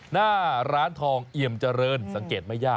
หน้าร้านทองอี่ยำเจริญ